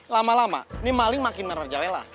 lama lama ini maling makin menerjalela